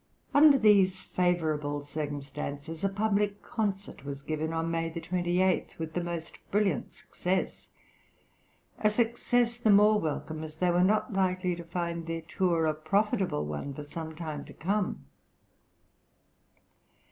Under these favourable circumstances, a public concert was given on May 28, with the most brilliant success; a success the more welcome, as they were not likely to find their tour a profitable one for some time to come.